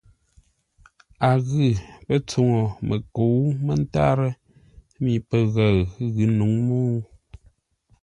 A ghʉ pə́ tsuŋu məkə̌u mə́ntárə́ mi pəghəʉ ghʉ̌ nǔŋ mə́u.